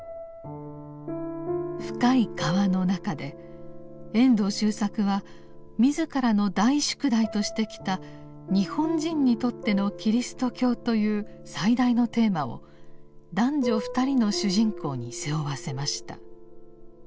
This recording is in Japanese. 「深い河」の中で遠藤周作は自らの「大宿題」としてきた「日本人にとってのキリスト教」という最大のテーマを男女二人の主人公に背負わせました。